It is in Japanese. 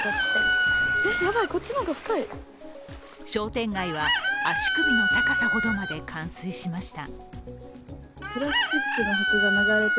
商店街は足首の高さほどまで冠水しました。